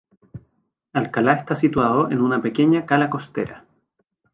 Alcalá está situado en una pequeña cala costera.